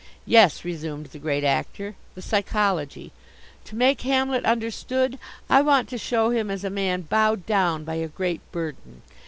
"Yes," resumed the Great Actor, "the psychology. To make Hamlet understood, I want to show him as a man bowed down by a great burden.